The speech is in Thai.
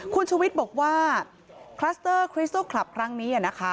คุณชุวิตบอกว่าคลัสเตอร์คริสโต้คลับครั้งนี้นะคะ